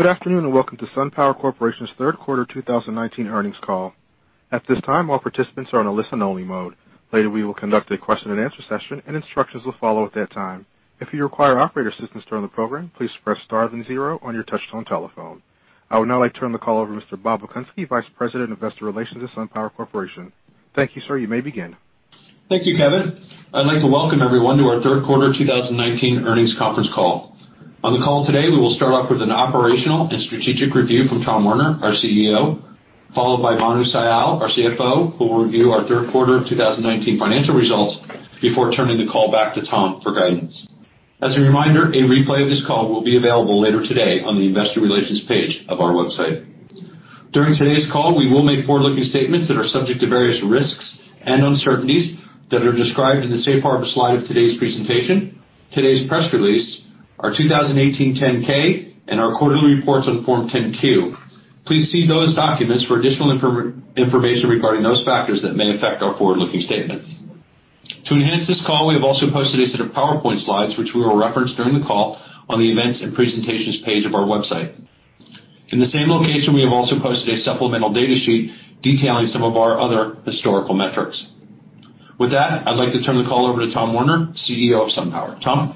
Good afternoon, and welcome to SunPower Corporation's third quarter 2019 earnings call. At this time, all participants are on a listen-only mode. Later, we will conduct a question-and-answer session, and instructions will follow at that time. If you require operator assistance during the program, please press star and zero on your touch-tone telephone. I would now like to turn the call over to Mr. Bob Okunski, Vice President of Investor Relations at SunPower Corporation. Thank you, sir. You may begin. Thank you, Kevin. I'd like to welcome everyone to our third quarter 2019 earnings conference call. On the call today, we will start off with an operational and strategic review from Tom Werner, our CEO, followed by Manavendra Sial, our CFO, who will review our third quarter 2019 financial results before turning the call back to Tom for guidance. As a reminder, a replay of this call will be available later today on the investor relations page of our website. During today's call, we will make forward-looking statements that are subject to various risks and uncertainties that are described in the Safe Harbor slide of today's presentation, today's press release, our 2018 10-K, and our quarterly reports on Form 10-Q. Please see those documents for additional information regarding those factors that may affect our forward-looking statements. To enhance this call, we have also posted a set of PowerPoint slides, which we will reference during the call on the Events and Presentations page of our website. In the same location, we have also posted a supplemental data sheet detailing some of our other historical metrics. With that, I'd like to turn the call over to Tom Werner, CEO of SunPower. Tom?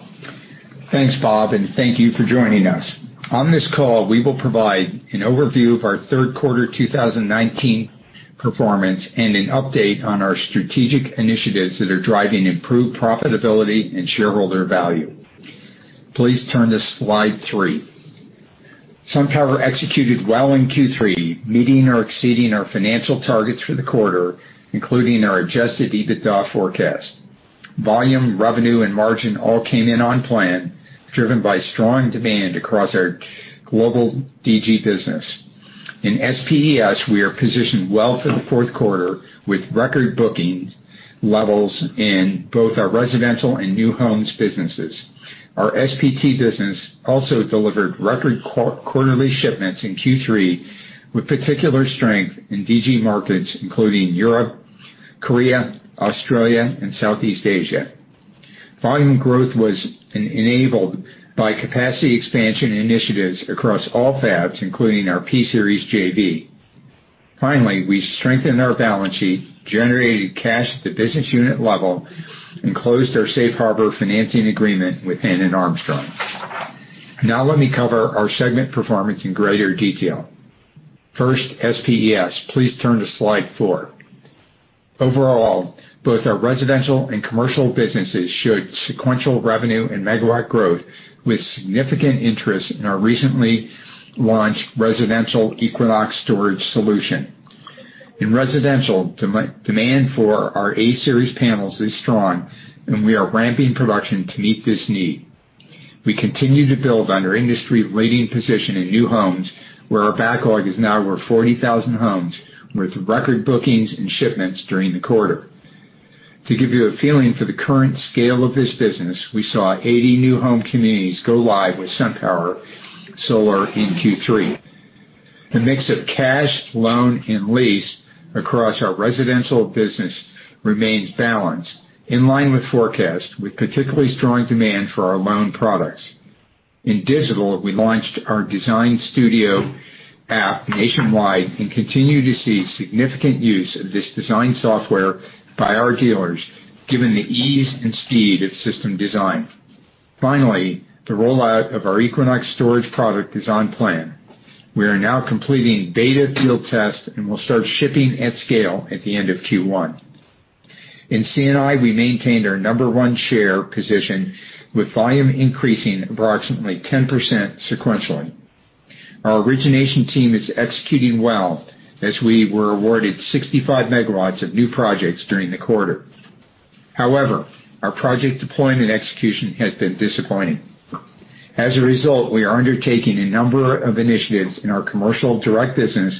Thanks, Bob. Thank you for joining us. On this call, we will provide an overview of our third quarter 2019 performance and an update on our strategic initiatives that are driving improved profitability and shareholder value. Please turn to slide three. SunPower executed well in Q3, meeting or exceeding our financial targets for the quarter, including our adjusted EBITDA forecast. Volume, revenue, and margin all came in on plan, driven by strong demand across our global DG business. In SPES, we are positioned well for the fourth quarter, with record booking levels in both our residential and new homes businesses. Our SPT business also delivered record quarterly shipments in Q3, with particular strength in DG markets including Europe, Korea, Australia, and Southeast Asia. Volume growth was enabled by capacity expansion initiatives across all fabs, including our P-Series JV. Finally, we strengthened our balance sheet, generated cash at the business unit level, and closed our safe harbor financing agreement with Hannon Armstrong. Let me cover our segment performance in greater detail. First, SPES. Please turn to slide four. Overall, both our residential and commercial businesses showed sequential revenue and megawatt growth, with significant interest in our recently launched residential Equinox Storage solution. In residential, demand for our A-Series panels is strong, and we are ramping production to meet this need. We continue to build on our industry-leading position in new homes, where our backlog is now over 40,000 homes, with record bookings and shipments during the quarter. To give you a feeling for the current scale of this business, we saw 80 new home communities go live with SunPower solar in Q3. The mix of cash, loan, and lease across our residential business remains balanced, in line with forecast, with particularly strong demand for our loan products. In digital, we launched our Design Studio app nationwide and continue to see significant use of this design software by our dealers, given the ease and speed of system design. Finally, the rollout of our Equinox Storage product is on plan. We are now completing beta field tests and will start shipping at scale at the end of Q1. In C&I, we maintained our number one share position, with volume increasing approximately 10% sequentially. Our origination team is executing well as we were awarded 65 megawatts of new projects during the quarter. However, our project deployment execution has been disappointing. As a result, we are undertaking a number of initiatives in our commercial direct business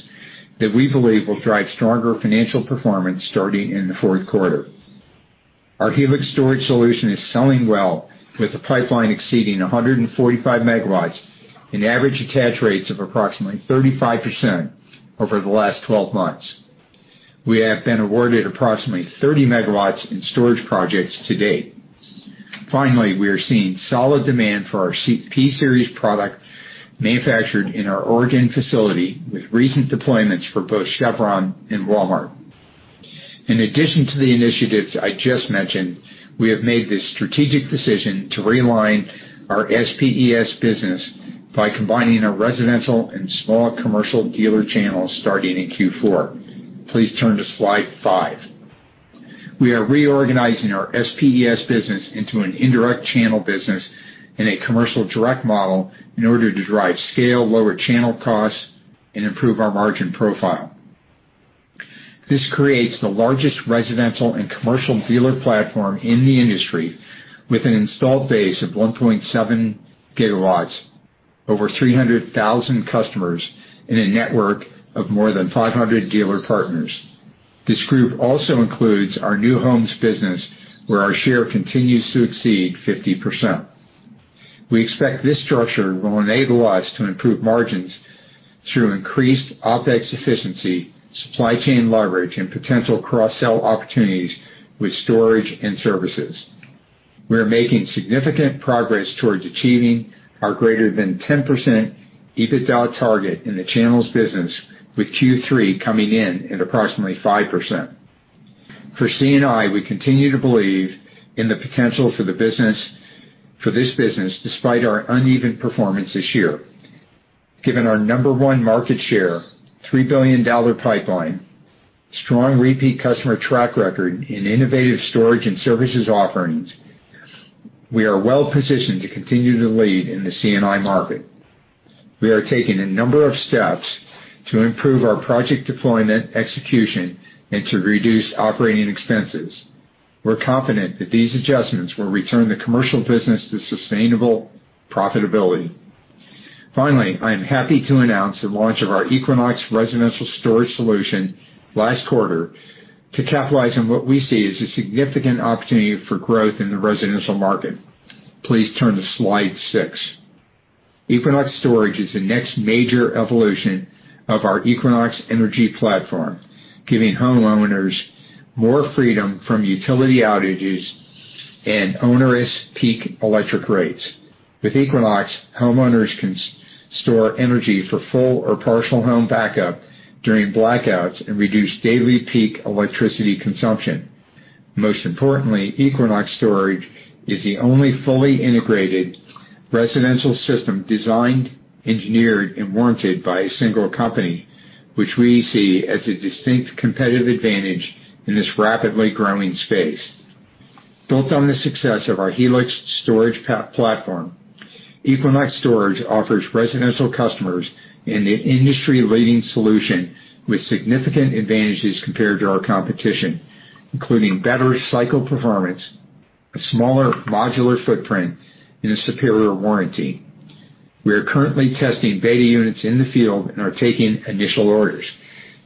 that we believe will drive stronger financial performance starting in the fourth quarter. Our Helix Storage solution is selling well, with the pipeline exceeding 145 megawatts, and average attach rates of approximately 35% over the last 12 months. We have been awarded approximately 30 megawatts in storage projects to date. Finally, we are seeing solid demand for our P-Series product manufactured in our Oregon facility, with recent deployments for both Chevron and Walmart. In addition to the initiatives I just mentioned, we have made the strategic decision to realign our SPES business by combining our residential and small commercial dealer channels starting in Q4. Please turn to slide five. We are reorganizing our SPES business into an indirect channel business and a commercial direct model in order to drive scale, lower channel costs, and improve our margin profile. This creates the largest residential and commercial dealer platform in the industry, with an installed base of 1.7 gigawatts, over 300,000 customers, and a network of more than 500 dealer partners. This group also includes our new homes business, where our share continues to exceed 50%. We expect this structure will enable us to improve margins through increased OpEx efficiency, supply chain leverage, and potential cross-sell opportunities with storage and services. We are making significant progress towards achieving our greater than 10% EBITDA target in the channels business with Q3 coming in at approximately 5%. For C&I, we continue to believe in the potential for this business, despite our uneven performance this year. Given our number one market share, $3 billion pipeline, strong repeat customer track record in innovative storage and services offerings, we are well-positioned to continue to lead in the C&I market. We are taking a number of steps to improve our project deployment execution and to reduce operating expenses. We're confident that these adjustments will return the commercial business to sustainable profitability. Finally, I am happy to announce the launch of our Equinox Residential Storage solution last quarter to capitalize on what we see as a significant opportunity for growth in the residential market. Please turn to Slide six. Equinox Storage is the next major evolution of our Equinox energy platform, giving homeowners more freedom from utility outages and onerous peak electric rates. With Equinox, homeowners can store energy for full or partial home backup during blackouts and reduce daily peak electricity consumption. Most importantly, Equinox Storage is the only fully integrated residential system designed, engineered, and warranted by a single company, which we see as a distinct competitive advantage in this rapidly growing space. Built on the success of our Helix Storage platform, Equinox Storage offers residential customers in the industry-leading solution with significant advantages compared to our competition, including better cycle performance, a smaller modular footprint, and a superior warranty. We are currently testing beta units in the field and are taking initial orders.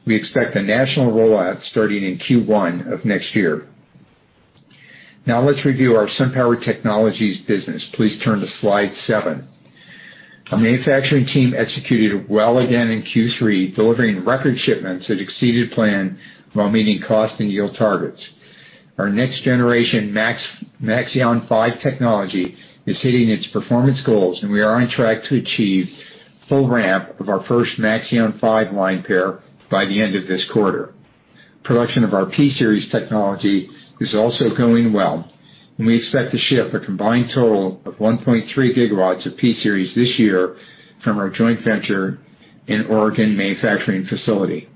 We expect a national rollout starting in Q1 of next year. Let's review our SunPower Technologies business. Please turn to Slide seven. Our manufacturing team executed well again in Q3, delivering record shipments that exceeded plan while meeting cost and yield targets. Our next generation Maxeon 5 technology is hitting its performance goals, and we are on track to achieve full ramp of our first Maxeon 5 line pair by the end of this quarter. Production of our P-Series technology is also going well, and we expect to ship a combined total of 1.3 gigawatts of P-Series this year from our joint venture and Oregon manufacturing facility.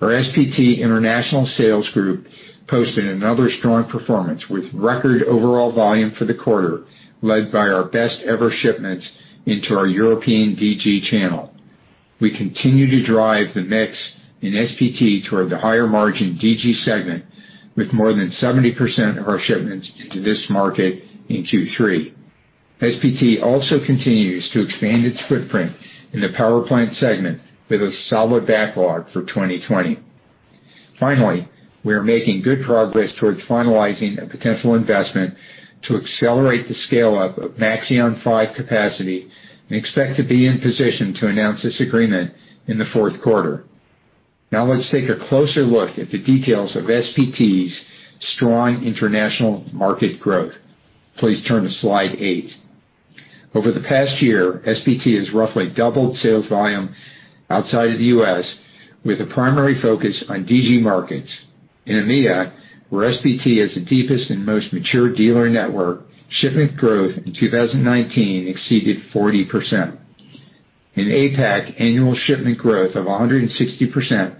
Our SPT international sales group posted another strong performance with record overall volume for the quarter, led by our best ever shipments into our European DG channel. We continue to drive the mix in SPT toward the higher-margin DG segment with more than 70% of our shipments into this market in Q3. SPT also continues to expand its footprint in the power plant segment with a solid backlog for 2020. Finally, we are making good progress towards finalizing a potential investment to accelerate the scale-up of Maxeon 5 capacity and expect to be in position to announce this agreement in the fourth quarter. Let's take a closer look at the details of SPT's strong international market growth. Please turn to Slide eight. Over the past year, SPT has roughly doubled sales volume outside of the U.S. with a primary focus on DG markets. In EMEA, where SPT has the deepest and most mature dealer network, shipment growth in 2019 exceeded 40%. In APAC, annual shipment growth of 160%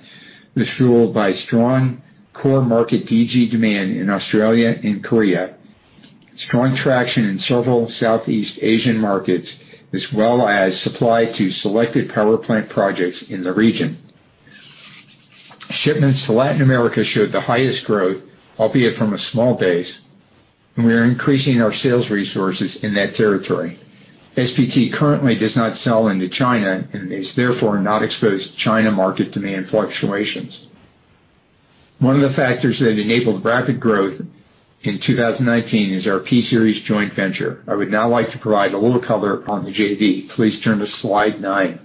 was fueled by strong core market DG demand in Australia and Korea, strong traction in several Southeast Asian markets, as well as supply to selected power plant projects in the region. Shipments to Latin America showed the highest growth, albeit from a small base, and we are increasing our sales resources in that territory. SPT currently does not sell into China and is therefore not exposed to China market demand fluctuations. One of the factors that enabled rapid growth in 2019 is our P-Series joint venture. I would now like to provide a little color on the JV. Please turn to Slide nine.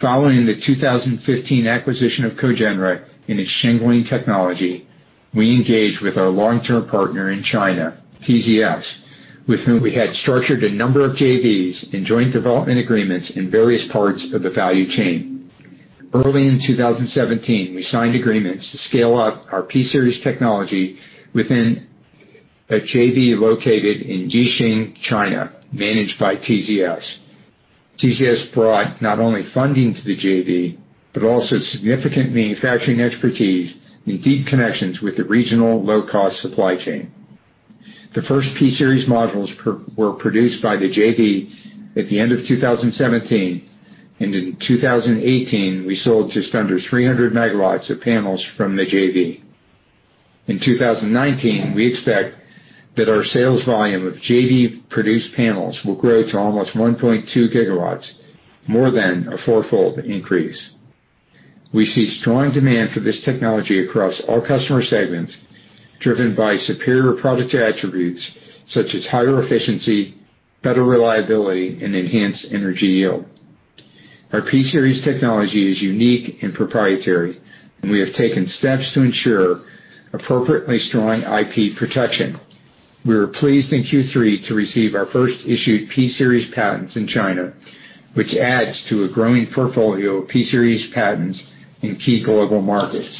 Following the 2015 acquisition of Cogenra and its shingling technology, we engaged with our long-term partner in China, TZS, with whom we had structured a number of JVs in joint development agreements in various parts of the value chain. Early in 2017, we signed agreements to scale up our P-Series technology within a JV located in Jining, China, managed by TZS. TZS brought not only funding to the JV, but also significant manufacturing expertise and deep connections with the regional low-cost supply chain. The first P-Series modules were produced by the JV at the end of 2017, and in 2018, we sold just under 300 MW of panels from the JV. In 2019, we expect that our sales volume of JV-produced panels will grow to almost 1.2 GW, more than a four-fold increase. We see strong demand for this technology across all customer segments, driven by superior product attributes such as higher efficiency, better reliability, and enhanced energy yield. Our P-Series technology is unique and proprietary, and we have taken steps to ensure appropriately strong IP protection. We were pleased in Q3 to receive our first issued P-Series patents in China, which adds to a growing portfolio of P-Series patents in key global markets.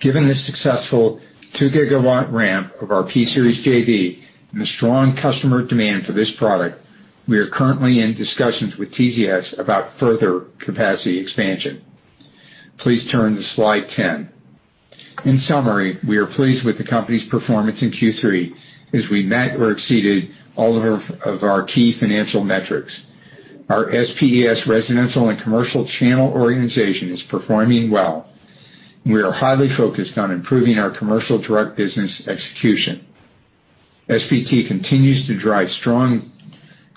Given the successful 2-gigawatt ramp of our P-Series JV and the strong customer demand for this product, we are currently in discussions with TZS about further capacity expansion. Please turn to slide 10. In summary, we are pleased with the company's performance in Q3, as we met or exceeded all of our key financial metrics. Our SPES residential and commercial channel organization is performing well, and we are highly focused on improving our commercial direct business execution. SPT continues to drive strong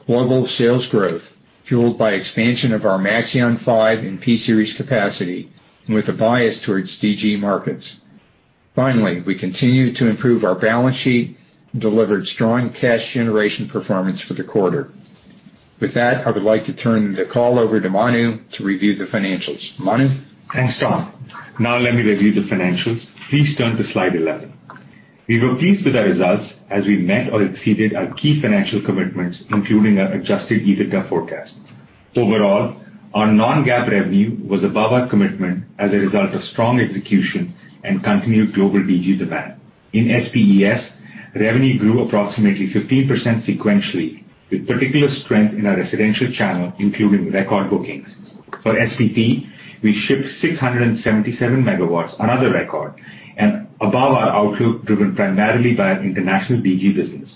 global sales growth, fueled by expansion of our Maxeon 5 and P-Series capacity, and with a bias towards DG markets. Finally, we continue to improve our balance sheet and delivered strong cash generation performance for the quarter. With that, I would like to turn the call over to Manu to review the financials. Manu? Thanks, Tom. Now let me review the financials. Please turn to slide 11. We were pleased with the results, as we met or exceeded our key financial commitments, including our adjusted EBITDA forecast. Overall, our non-GAAP revenue was above our commitment as a result of strong execution and continued global DG demand. In SPES, revenue grew approximately 15% sequentially, with particular strength in our residential channel, including record bookings. For SPT, we shipped 677 megawatts, another record, and above our outlook, driven primarily by our international DG business.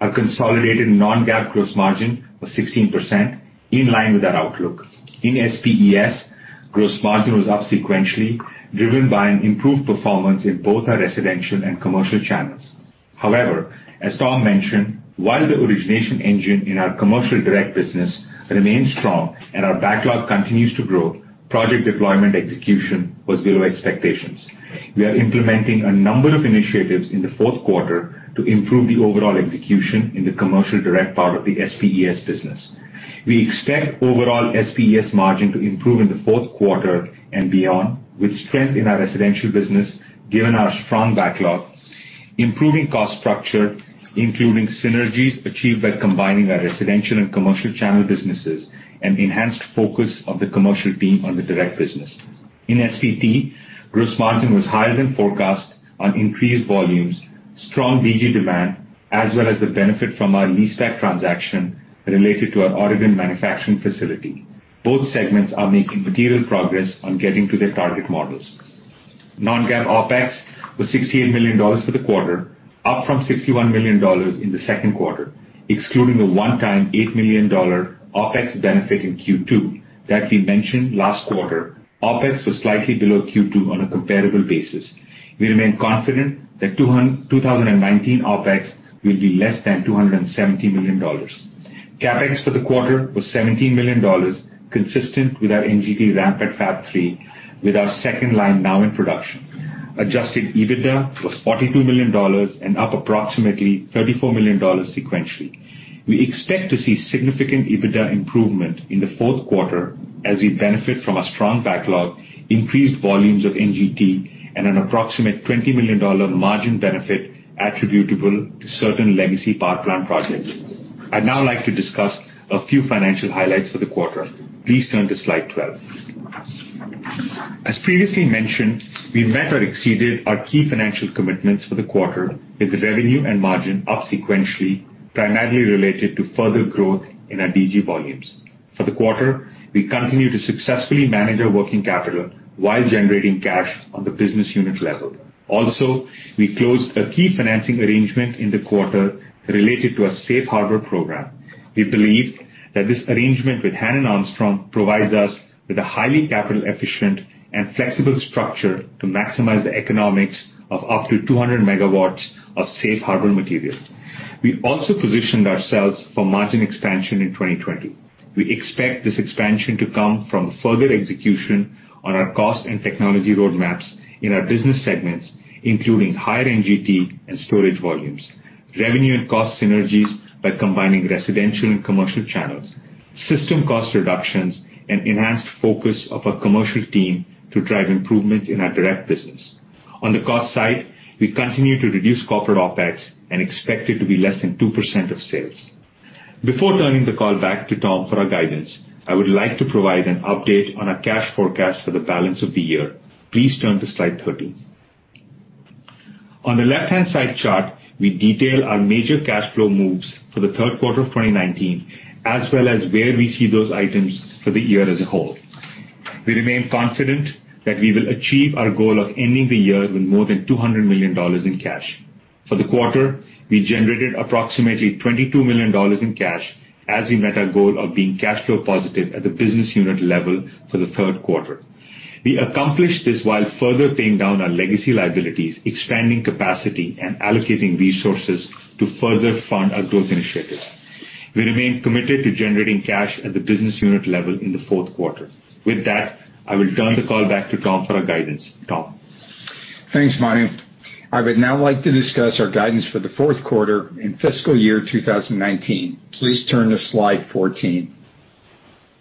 Our consolidated non-GAAP gross margin was 16%, in line with our outlook. In SPES, gross margin was up sequentially, driven by an improved performance in both our residential and commercial channels. However, as Tom mentioned, while the origination engine in our commercial direct business remains strong and our backlog continues to grow, project deployment execution was below expectations. We are implementing a number of initiatives in the fourth quarter to improve the overall execution in the commercial direct part of the SPES business. We expect overall SPES margin to improve in the fourth quarter and beyond, with strength in our residential business given our strong backlog, improving cost structure, including synergies achieved by combining our residential and commercial channel businesses, and enhanced focus of the commercial team on the direct business. In SPT, gross margin was higher than forecast on increased volumes, strong DG demand, as well as the benefit from our leaseback transaction related to our Oregon manufacturing facility. Both segments are making material progress on getting to their target models. Non-GAAP OpEx was $68 million for the quarter, up from $61 million in the second quarter. Excluding the one-time $8 million OpEx benefit in Q2 that we mentioned last quarter, OpEx was slightly below Q2 on a comparable basis. We remain confident that 2019 OpEx will be less than $270 million. CapEx for the quarter was $17 million, consistent with our NGT ramp at Fab 3, with our second line now in production. Adjusted EBITDA was $42 million and up approximately $34 million sequentially. We expect to see significant EBITDA improvement in the fourth quarter as we benefit from a strong backlog, increased volumes of NGT, and an approximate $20 million margin benefit attributable to certain legacy power plant projects. I'd now like to discuss a few financial highlights for the quarter. Please turn to slide 12. As previously mentioned, we met or exceeded our key financial commitments for the quarter, with revenue and margin up sequentially, primarily related to further growth in our DG volumes. For the quarter, we continued to successfully manage our working capital while generating cash on the business unit level. We closed a key financing arrangement in the quarter related to our Safe Harbor program. We believe that this arrangement with Hannon Armstrong provides us with a highly capital-efficient and flexible structure to maximize the economics of up to 200 megawatts of Safe Harbor materials. We also positioned ourselves for margin expansion in 2020. We expect this expansion to come from further execution on our cost and technology roadmaps in our business segments, including higher NGT and storage volumes, revenue and cost synergies by combining residential and commercial channels, system cost reductions, and enhanced focus of our commercial team to drive improvements in our direct business. On the cost side, we continue to reduce corporate OpEx and expect it to be less than 2% of sales. Before turning the call back to Tom for our guidance, I would like to provide an update on our cash forecast for the balance of the year. Please turn to slide 13. On the left-hand side chart, we detail our major cash flow moves for the third quarter of 2019, as well as where we see those items for the year as a whole. We remain confident that we will achieve our goal of ending the year with more than $200 million in cash. For the quarter, we generated approximately $22 million in cash as we met our goal of being cash flow positive at the business unit level for the third quarter. We accomplished this while further paying down our legacy liabilities, expanding capacity, and allocating resources to further fund our growth initiatives. We remain committed to generating cash at the business unit level in the fourth quarter. With that, I will turn the call back to Tom for our guidance. Tom? Thanks, Manu. I would now like to discuss our guidance for the fourth quarter in fiscal year 2019. Please turn to slide 14.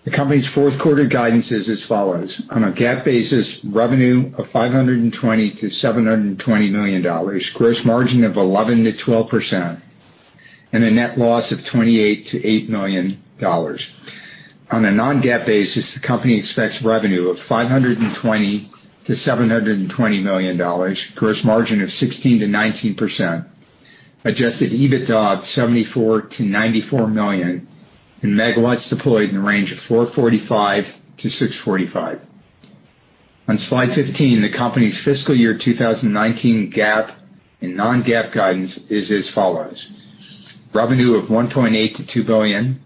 The company's fourth quarter guidance is as follows: on a GAAP basis, revenue of $520 million-$720 million, gross margin of 11%-12%, and a net loss of $28 million-$8 million. On a non-GAAP basis, the company expects revenue of $520 million-$720 million, gross margin of 16%-19%, adjusted EBITDA of $74 million-$94 million, and megawatts deployed in the range of 445-645. On slide 15, the company's fiscal year 2019 GAAP and non-GAAP guidance is as follows: revenue of $1.8 billion-$2 billion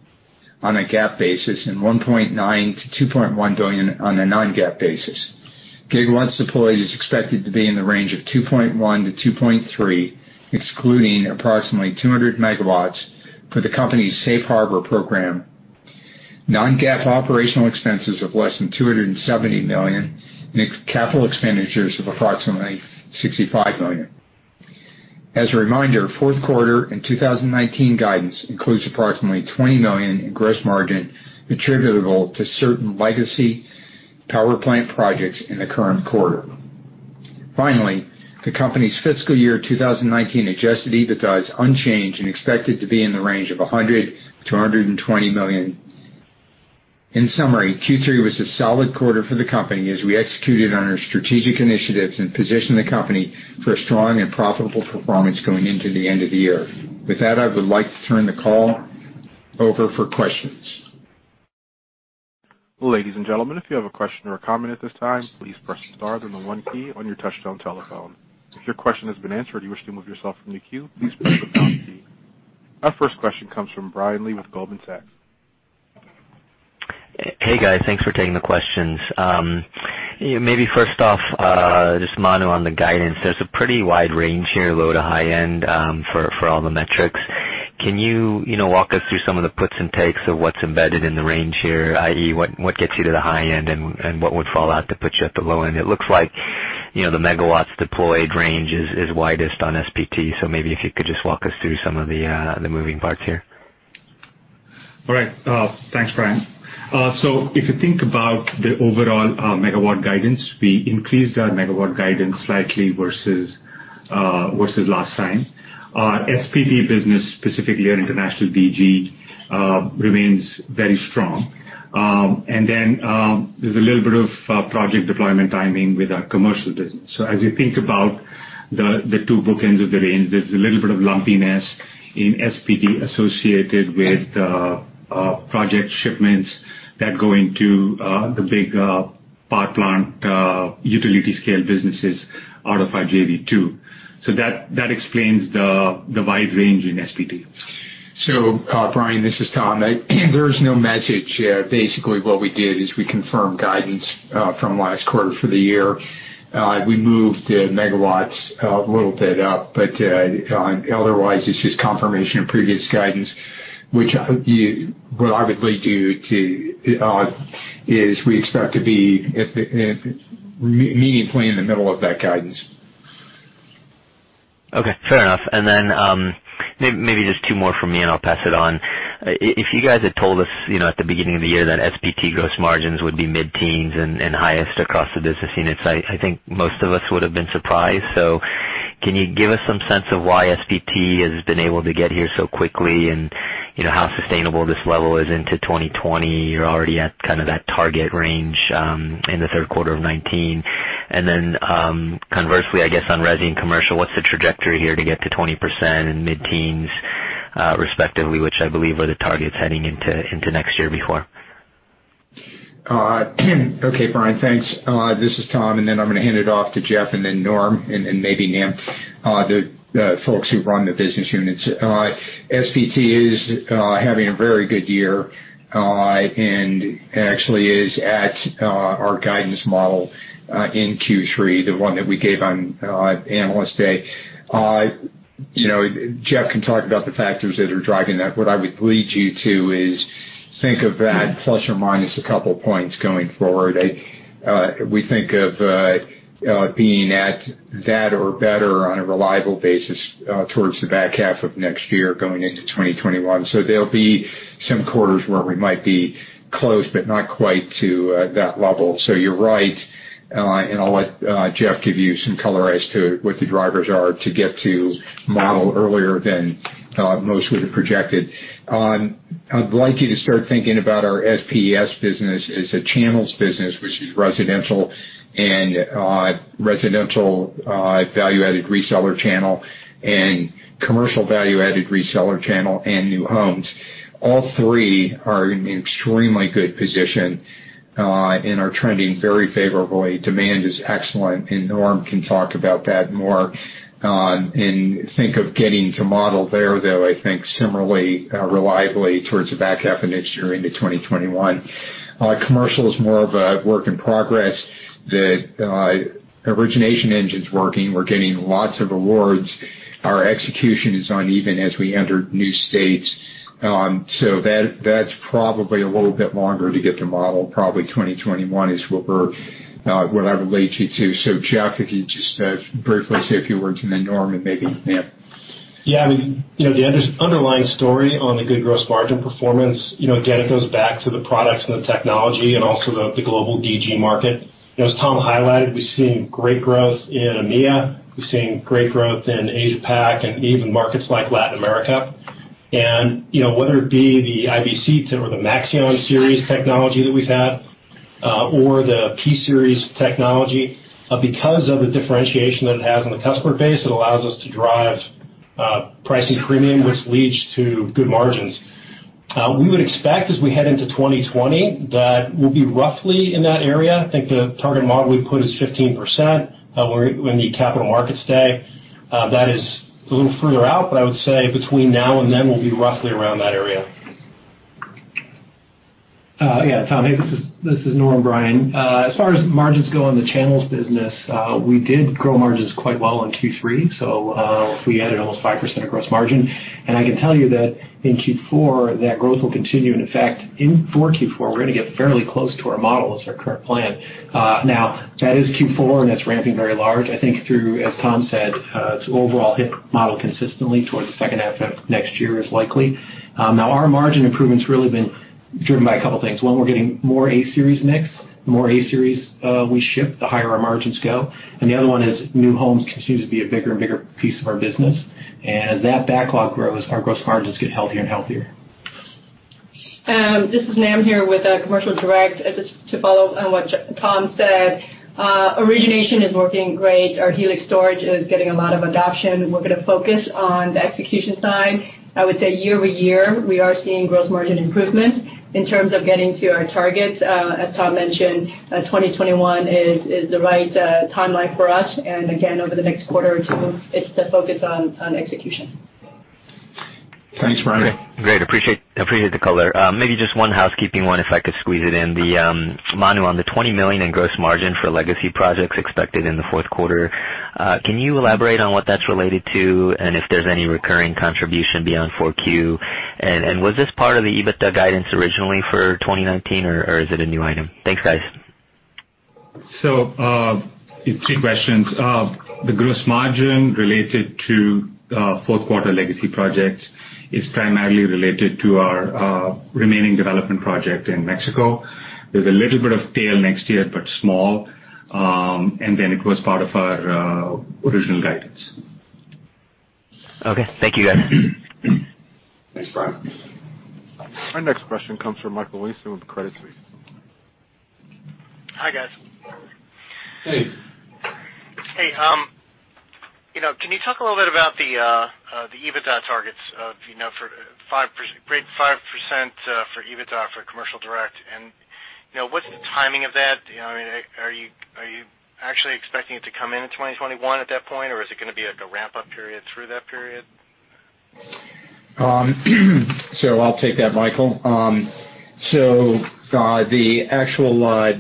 on a GAAP basis and $1.9 billion-$2.1 billion on a non-GAAP basis. Gigawatts deployed is expected to be in the range of 2.1-2.3, excluding approximately 200 megawatts for the company's Safe Harbor program, non-GAAP operational expenses of less than $270 million, and capital expenditures of approximately $65 million. As a reminder, fourth quarter and 2019 guidance includes approximately $20 million in gross margin attributable to certain legacy power plant projects in the current quarter. The company's fiscal year 2019 adjusted EBITDA is unchanged and expected to be in the range of $100 million-$120 million. In summary, Q3 was a solid quarter for the company as we executed on our strategic initiatives and positioned the company for a strong and profitable performance going into the end of the year. With that, I would like to turn the call over for questions. Ladies and gentlemen, if you have a question or a comment at this time, please press star then the one key on your touchtone telephone. If your question has been answered or you wish to remove yourself from the queue, please press the pound key. Our first question comes from Brian Lee with Goldman Sachs. Hey, guys. Thanks for taking the questions. Maybe first off, just Manu on the guidance. There's a pretty wide range here, low to high-end, for all the metrics. Can you walk us through some of the puts and takes of what's embedded in the range here, i.e., what gets you to the high end and what would fall out to put you at the low end? It looks like the megawatts deployed range is widest on SPT, maybe if you could just walk us through some of the moving parts here. All right. Thanks, Brian. If you think about the overall megawatt guidance, we increased our megawatt guidance slightly versus last time. Our SPT business, specifically our international DG, remains very strong. There's a little bit of project deployment timing with our commercial business. As you think about the two bookends of the range, there's a little bit of lumpiness in SPT associated with project shipments that go into the big power plant utility scale businesses out of our JV, too. That explains the wide range in SPT. Brian, this is Tom. There is no message here. Basically, what we did is we confirmed guidance from last quarter for the year. We moved the megawatts a little bit up, otherwise, it's just confirmation of previous guidance, which what I would lead you to, is we expect to be meaningfully in the middle of that guidance. Okay, fair enough. Maybe just two more from me, and I'll pass it on. If you guys had told us at the beginning of the year that SPT gross margins would be mid-teens and highest across the business units, I think most of us would have been surprised. Can you give us some sense of why SPT has been able to get here so quickly and how sustainable this level is into 2020? You're already at kind of that target range in the third quarter of 2019. Conversely, I guess on resi and commercial, what's the trajectory here to get to 20% and mid-teens respectively, which I believe were the targets heading into next year before? Okay, Brian, thanks. This is Tom, and then I'm going to hand it off to Jeff and then Norm and maybe Nam, the folks who run the business units. SPT is having a very good year and actually is at our guidance model in Q3, the one that we gave on Analyst Day. Jeff can talk about the factors that are driving that. What I would lead you to is think of that ± a couple of points going forward. We think of being at that or better on a reliable basis towards the back half of next year going into 2021. There'll be some quarters where we might be close, but not quite to that level. You're right. I'll let Jeff give you some color as to what the drivers are to get to model earlier than most would have projected. I would like you to start thinking about our SPS business as a channels business, which is residential and residential value-added reseller channel and commercial value-added reseller channel and new homes. All three are in extremely good position and are trending very favorably. Demand is excellent, and Norm can talk about that more. Think of getting to model there, though I think similarly reliably towards the back half of next year into 2021. Commercial is more of a work in progress. The origination engine's working. We're getting lots of awards. Our execution is uneven as we enter new states. That's probably a little bit longer to get to model. Probably 2021 is what I relate it to. Jeff, if you just briefly say a few words, and then Norm, and maybe Nam. The underlying story on the good gross margin performance, again, it goes back to the products and the technology and also the global DG market. As Tom highlighted, we've seen great growth in EMEA. We've seen great growth in Asia-Pac and even markets like Latin America. Whether it be the IBC or the Maxeon series technology that we've had, or the P-Series technology, because of the differentiation that it has on the customer base, it allows us to drive pricing premium, which leads to good margins. We would expect, as we head into 2020, that we'll be roughly in that area. I think the target model we put is 15% in the capital markets day. That is a little further out, I would say between now and then, we'll be roughly around that area. Tom, this is Norm Taffe. As far as margins go on the channels business, we did grow margins quite well in Q3. We added almost 5% gross margin. I can tell you that in Q4, that growth will continue. In fact, for Q4, we're going to get fairly close to our model as our current plan. Now, that is Q4, and that's ramping very large. I think through, as Tom said, to overall hit model consistently towards the second half of next year is likely. Now our margin improvement's really been driven by a couple of things. One, we're getting more A-Series mix. The more A-Series we ship, the higher our margins go. The other one is new homes continue to be a bigger and bigger piece of our business. As that backlog grows, our gross margins get healthier and healthier. This is Nam here with Commercial Solar. Just to follow on what Tom said, origination is working great. Our Helix Storage is getting a lot of adoption. We're going to focus on the execution side. I would say year-over-year, we are seeing gross margin improvement. In terms of getting to our targets, as Tom mentioned, 2021 is the right timeline for us, and again, over the next quarter or two, it's the focus on execution. Thanks, Nam. Great. Appreciate the color. Maybe just one housekeeping one if I could squeeze it in. Manu, on the $20 million in gross margin for legacy projects expected in the fourth quarter, can you elaborate on what that's related to and if there's any recurring contribution beyond 4Q? Was this part of the EBITDA guidance originally for 2019, or is it a new item? Thanks, guys. It's three questions. The gross margin related to fourth quarter legacy projects is primarily related to our remaining development project in Mexico. There's a little bit of tail next year, but small. It was part of our original guidance. Okay. Thank you, guys. Thanks, Brian. Our next question comes from Michael Weinstein with Credit Suisse. Hi, guys. Hey. Hey, can you talk a little bit about the EBITDA targets, for rate 5% for EBITDA for Commercial Direct, and what's the timing of that? Are you actually expecting it to come in in 2021 at that point, or is it going to be like a ramp-up period through that period? I'll take that, Michael. The actual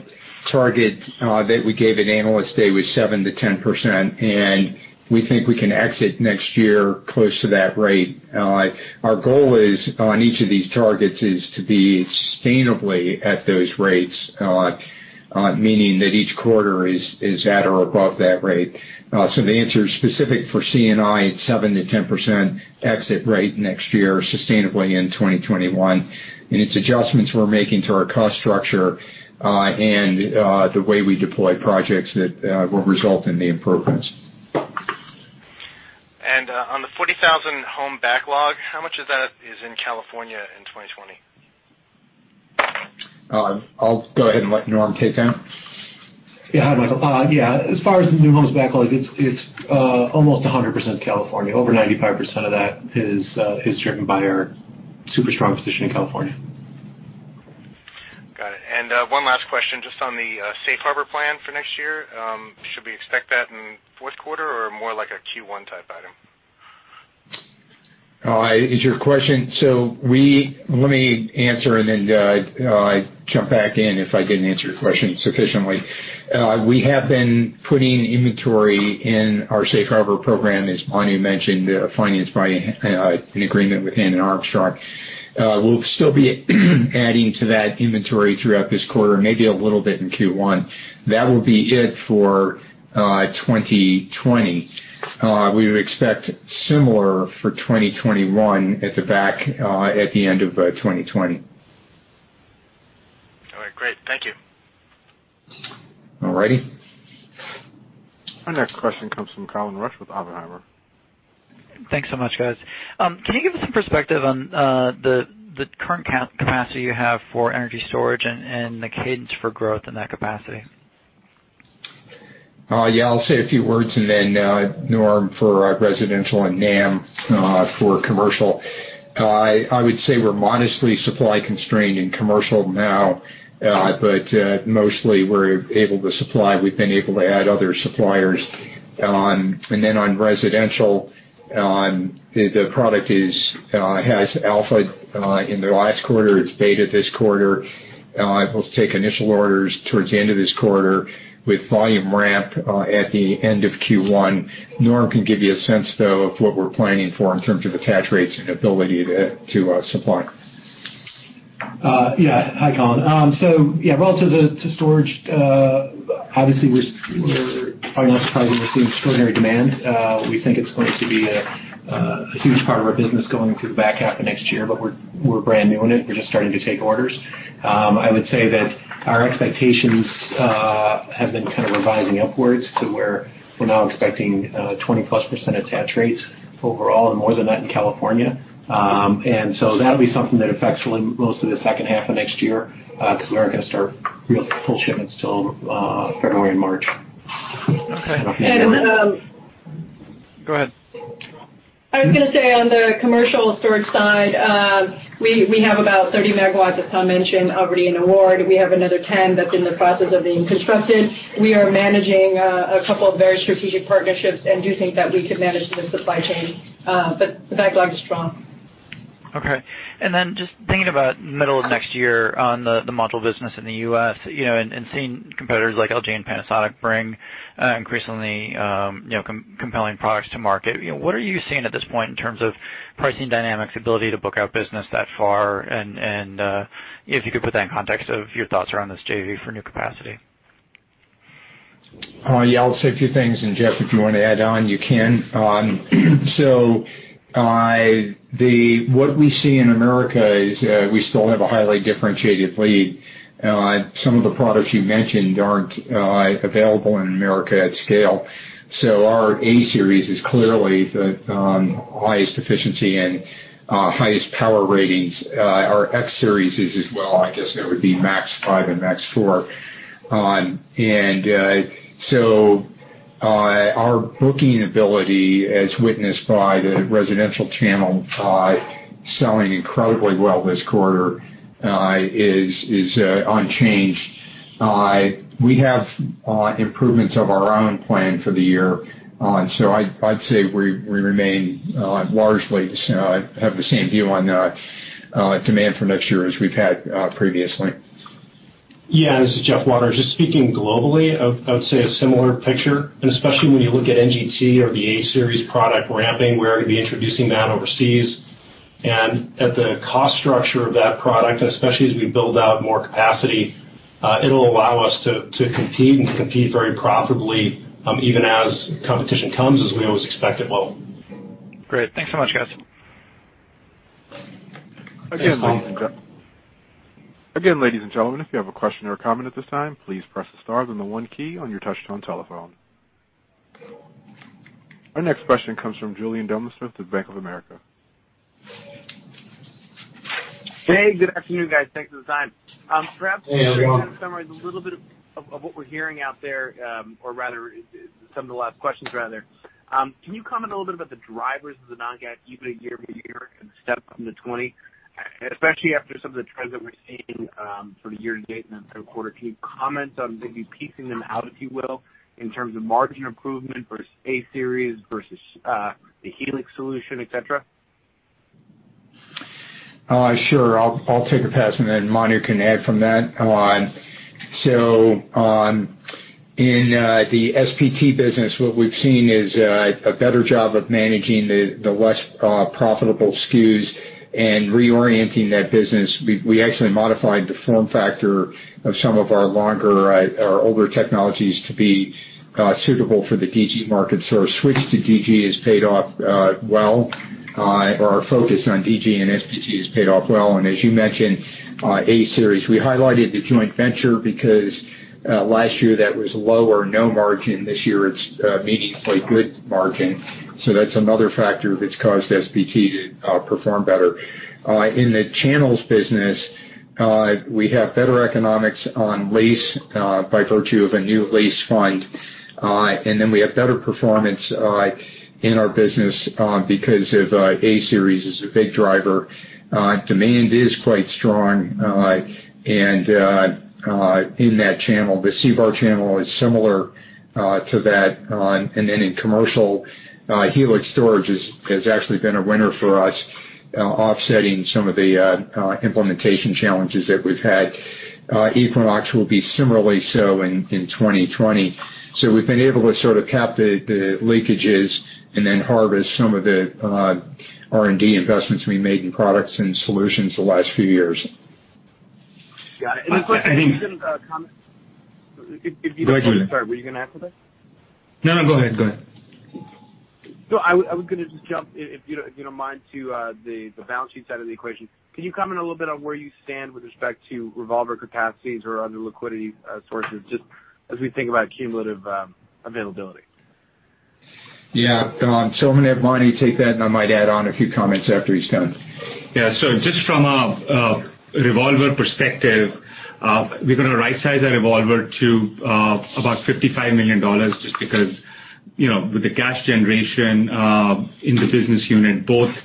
target that we gave at Analyst Day was 7%-10%, and we think we can exit next year close to that rate. Our goal on each of these targets is to be sustainably at those rates, meaning that each quarter is at or above that rate. The answer specific for C&I, it's 7%-10% exit rate next year, sustainably in 2021. It's adjustments we're making to our cost structure and the way we deploy projects that will result in the improvements. On the 40,000 home backlog, how much of that is in California in 2020? I'll go ahead and let Norm take that. Hi, Michael. As far as the new homes backlog, it's almost 100% California. Over 95% of that is driven by our super strong position in California. Got it. One last question, just on the Safe Harbor plan for next year. Should we expect that in fourth quarter or more like a Q1 type item? Let me answer and then I jump back in if I didn't answer your question sufficiently. We have been putting inventory in our Safe Harbor program, as Manu mentioned, financed by an agreement with Hannon Armstrong. We'll still be adding to that inventory throughout this quarter, maybe a little bit in Q1. That will be it for 2020. We would expect similar for 2021 at the end of 2020. All right, great. Thank you. All righty. Our next question comes from Colin Rusch with Oppenheimer. Thanks so much, guys. Can you give us some perspective on the current capacity you have for energy storage and the cadence for growth in that capacity? Yeah, I'll say a few words, and then Norm for residential and Nam for commercial. I would say we're modestly supply-constrained in commercial now, but mostly we're able to supply. We've been able to add other suppliers on. On residential, the product has alpha in the last quarter. It's beta this quarter. We'll take initial orders towards the end of this quarter with volume ramp at the end of Q1. Norm can give you a sense, though, of what we're planning for in terms of attach rates and ability to supply. Hi, Colin. Relative to storage, obviously we're probably not surprising, we're seeing extraordinary demand. We think it's going to be a huge part of our business going into the back half of next year, but we're brand new in it. We're just starting to take orders. I would say that our expectations have been kind of revising upwards to where we're now expecting 20-plus% attach rates overall and more than that in California. That'll be something that affects most of the second half of next year, because we aren't going to start real full shipments till February and March. Okay. And- Go ahead. I was going to say, on the commercial storage side, we have about 30 megawatts, as Tom mentioned, already in award. We have another 10 that's in the process of being constructed. We are managing a couple of very strategic partnerships and do think that we could manage the supply chain, but the backlog is strong. Okay. Just thinking about middle of next year on the module business in the U.S., seeing competitors like LG and Panasonic bring increasingly compelling products to market, what are you seeing at this point in terms of pricing dynamics, ability to book out business that far? If you could put that in context of your thoughts around this JV for new capacity. Yeah, I'll say a few things, and Jeff, if you want to add on, you can. What we see in America is we still have a highly differentiated lead. Some of the products you mentioned aren't available in America at scale. Our A-Series is clearly the highest efficiency and highest power ratings. Our X-Series is as well, I guess that would be Maxeon 5 and Maxeon 4. Our booking ability, as witnessed by the residential channel selling incredibly well this quarter, is unchanged. We have improvements of our own plan for the year. I'd say we remain largely have the same view on demand for next year as we've had previously. Yeah, this is Jeff Waters. Just speaking globally, I would say a similar picture. Especially when you look at NGT or the A-Series product ramping, we're going to be introducing that overseas. At the cost structure of that product, especially as we build out more capacity, it'll allow us to compete and compete very profitably, even as competition comes as we always expect it will. Great. Thanks so much, guys. Again, ladies and gentlemen, if you have a question or a comment at this time, please press the star then the one key on your touch-tone telephone. Our next question comes from Julien Dumoulin-Smith of Bank of America. Hey, good afternoon, guys. Thanks for the time. Hey, Julien. Perhaps to summarize a little bit of what we're hearing out there, or rather some of the last questions rather, can you comment a little bit about the drivers of the non-GAAP EBITDA year-over-year and step from the 20, especially after some of the trends that we're seeing for the year-to-date and the third quarter. Can you comment on maybe piecing them out, if you will, in terms of margin improvement versus A-Series versus the Helix solution, et cetera? Sure. I'll take a pass and then Manu can add from that. In the SPT business, what we've seen is a better job of managing the less profitable SKUs and reorienting that business. We actually modified the form factor of some of our older technologies to be suitable for the DG market. Our switch to DG has paid off well, or our focus on DG and SPT has paid off well. As you mentioned, A-Series. We highlighted the joint venture because last year that was low or no margin. This year it's meeting quite good margin. That's another factor that's caused SPT to perform better. In the channels business, we have better economics on lease by virtue of a new lease fund. Then we have better performance in our business because of A-Series is a big driver. Demand is quite strong in that channel. The CVaR channel is similar to that. In commercial, Helix Storage has actually been a winner for us, offsetting some of the implementation challenges that we've had. Equinox will be similarly so in 2020. We've been able to sort of cap the leakages and then harvest some of the R&D investments we made in products and solutions the last few years. Got it. The second comment- Go ahead. Sorry, were you going to add to that? No, go ahead. No, I was going to just jump, if you don't mind, to the balance sheet side of the equation. Can you comment a little bit on where you stand with respect to revolver capacities or other liquidity sources, just as we think about cumulative availability? Yeah. I'm going to have Mani take that, and I might add on a few comments after he's done. Yeah. Just from a revolver perspective, we're going to rightsize that revolver to about $55 million just because With the cash generation in the business unit, both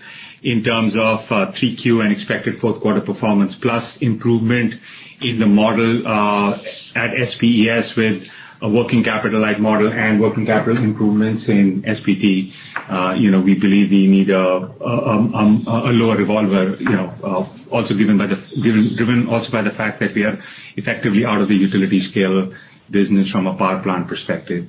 in terms of 3Q and expected fourth quarter performance, plus improvement in the model at SPES with a working capital-like model and working capital improvements in SPT. We believe we need a lower revolver, given also by the fact that we are effectively out of the utility scale business from a power plant perspective.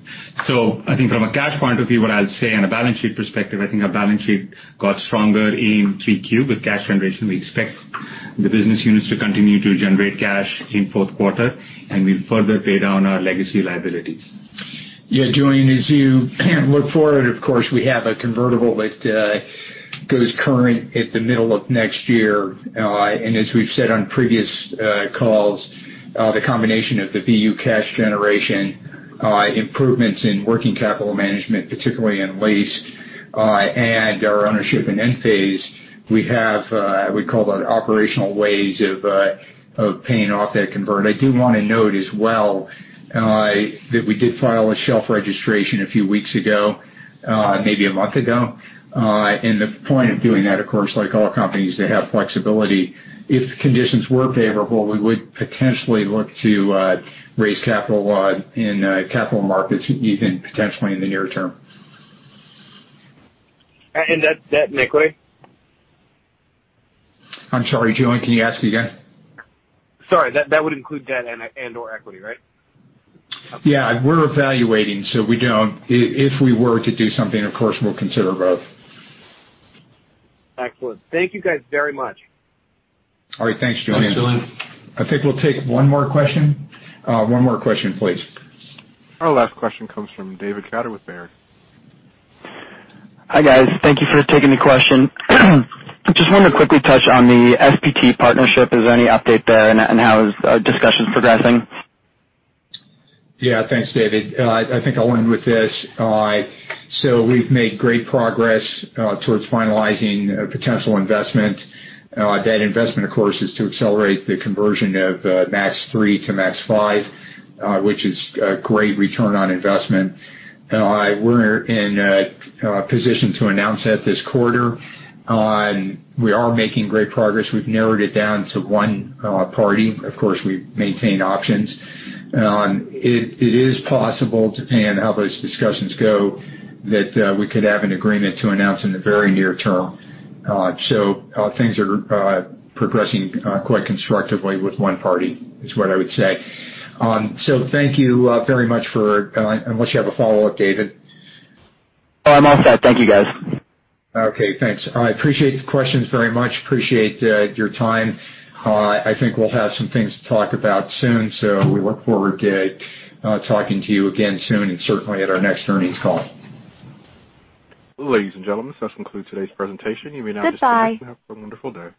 I think from a cash point of view, what I'll say on a balance sheet perspective, I think our balance sheet got stronger in 3Q with cash generation. We expect the business units to continue to generate cash in fourth quarter and we further pay down our legacy liabilities. Yeah, Julien, as you look forward, of course, we have a convertible that goes current at the middle of next year. As we've said on previous calls, the combination of the BU cash generation, improvements in working capital management, particularly in lease, and our ownership in Enphase, we call the operational ways of paying off that convert. I do want to note as well that we did file a shelf registration a few weeks ago, maybe a month ago. The point of doing that, of course, like all companies, to have flexibility. If conditions were favorable, we would potentially look to raise capital in capital markets even potentially in the near term. Debt and equity? I'm sorry, Julien, can you ask again? Sorry. That would include debt and/or equity, right? Yeah. We're evaluating. If we were to do something, of course, we'll consider both. Excellent. Thank you guys very much. All right. Thanks, Julien. Thanks, Julien. I think we'll take one more question. One more question, please. Our last question comes from David Katter with Baird. Hi, guys. Thank you for taking the question. Just wanted to quickly touch on the SPT partnership. Is there any update there and how is discussions progressing? Yeah. Thanks, David. I think I'll end with this. We've made great progress towards finalizing a potential investment. That investment, of course, is to accelerate the conversion of Maxeon 3 to Maxeon 5, which is a great return on investment. We're in a position to announce that this quarter. We are making great progress. We've narrowed it down to one party. Of course, we maintain options. It is possible, depending on how those discussions go, that we could have an agreement to announce in the very near term. Things are progressing quite constructively with one party is what I would say. Thank you very much, unless you have a follow-up, David. Oh, I'm all set. Thank you, guys. Okay, thanks. I appreciate the questions very much. Appreciate your time. I think we'll have some things to talk about soon. We look forward to talking to you again soon and certainly at our next earnings call. Ladies and gentlemen, this concludes today's presentation. You may now disconnect. Goodbye Have a wonderful day.